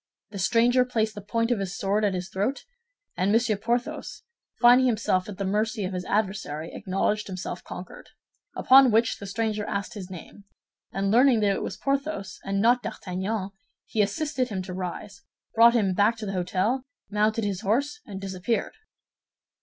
The stranger placed the point of his sword at his throat; and Monsieur Porthos, finding himself at the mercy of his adversary, acknowledged himself conquered. Upon which the stranger asked his name, and learning that it was Porthos, and not D'Artagnan, he assisted him to rise, brought him back to the hôtel, mounted his horse, and disappeared."